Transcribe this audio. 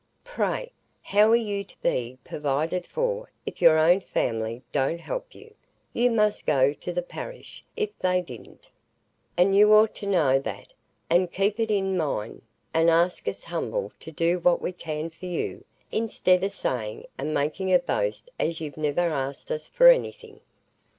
Pray, how are you to be purvided for, if your own family don't help you? You must go to the parish, if they didn't. And you ought to know that, and keep it in mind, and ask us humble to do what we can for you, i'stead o' saying, and making a boast, as you've never asked us for anything."